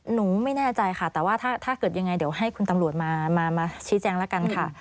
หนูไม่แน่ใจค่ะแต่ว่าถ้าเกิดยังไงเดี๋ยวให้คุณตำรวจมาชี้แจงแล้วกันค่ะ